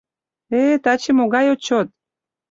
— Э-э, таче могай отчет.